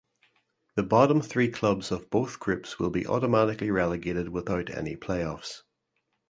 The bottom three clubs of both groups will be automatically relegated without any playoffs.